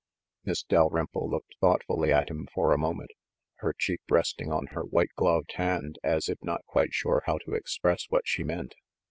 Miss Dalrymple looked thoughtfully at him for a moment, her cheek resting on her white gloved hand, as if not quite sure how to express what she meant.